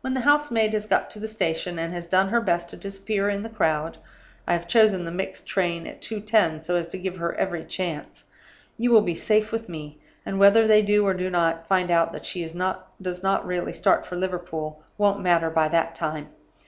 When the house maid has got to the station, and has done her best to disappear in the crowd (I have chosen the mixed train at 2:10, so as to give her every chance), you will be safe with me; and whether they do or do not find out that she does not really start for Liverpool won't matter by that time.